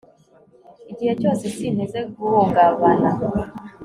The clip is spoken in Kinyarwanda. igihe cyose sinteze guhungabana